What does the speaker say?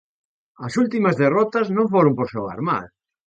As últimas derrotas non foron por xogar mal.